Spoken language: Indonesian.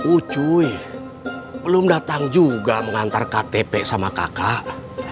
ucu belum datang juga mengantar ktp sama kakak